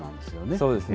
そうですね。